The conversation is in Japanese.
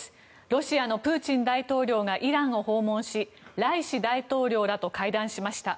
ロシアのプーチン大統領がイランを訪問しライシ大統領らと会談しました。